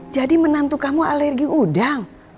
jadi menantu kamu alergi udang